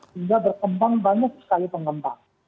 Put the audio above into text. hingga berkembang banyak sekali pengembang